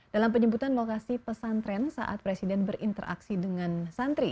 dalam penyebutan lokasi pesantren saat presiden berinteraksi dengan santri